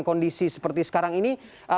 kondisi seperti sekarang ini